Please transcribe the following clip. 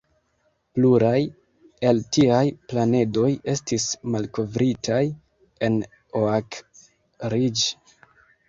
Pluraj el tiaj planedoj estis malkovritaj en Oak Ridge.